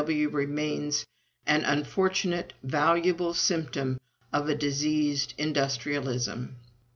W.W. remains an unfortunate, valuable symptom of a diseased industrialism."